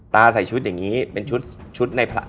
ตาใส่ชุดอย่างนี้เป็นชุด